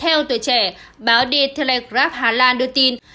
theo tuổi trẻ báo the telegraph hà lan đưa tin